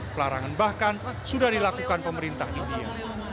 pelarangan bahkan sudah dilakukan pemerintah india